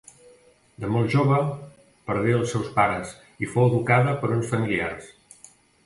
De molt jove, perdé als seus pares i fou educada per uns familiars.